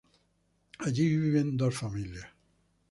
Allí viven dos familias.